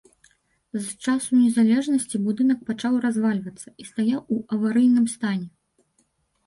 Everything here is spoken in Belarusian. З часу незалежнасці будынак пачаў развальвацца і стаяў у аварыйным стане.